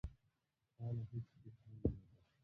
په اړه هېڅ پښېمانه نه ده.